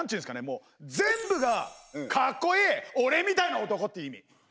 もう全部がかっこいい俺みたいな男っていう意味。